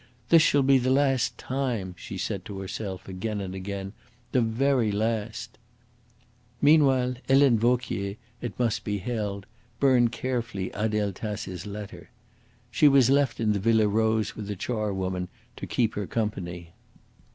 "This shall be the last time," she said to herself again and again "the very last." Meanwhile, Helene Vauquier, it must be held, burnt carefully Adele Taces letter. She was left in the Villa Rose with the charwoman to keep her company.